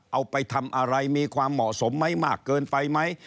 เอาไปทำอะไรมีความเหมาะสมไหมมากเกินไปไหม